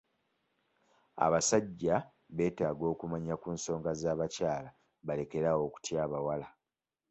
Abasajja beetaaga okumanya ku nsonga z'abakyala balekere awo okutya abawala.